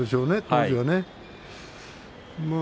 当時はね。